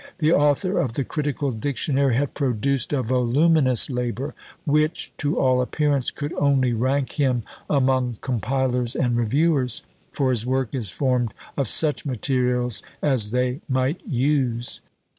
The author of the "Critical Dictionary" had produced a voluminous labour, which, to all appearance, could only rank him among compilers and reviewers, for his work is formed of such materials as they might use.